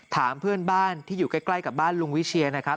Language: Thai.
ถามเพื่อนบ้านที่อยู่ใกล้กับบ้านลุงวิเชียนะครับ